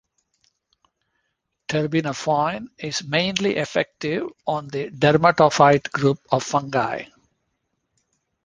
Terbinafine is mainly effective on the dermatophyte group of fungi.